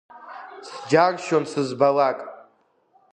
Сџьаршьон сызбалак.